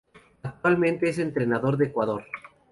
Actualmente es entrenador de Ecuador.